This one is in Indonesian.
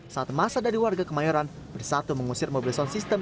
saat masa dari warga kemayoran bersatu mengusir mobil sound system